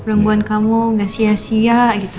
perempuan kamu gak sia sia gitu